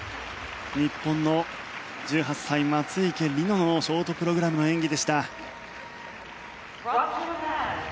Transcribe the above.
日本の１８歳、松生理乃のショートプログラムの演技。